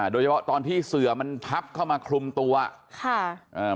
โดยเฉพาะตอนที่เสือมันพับเข้ามาคลุมตัวค่ะอ่า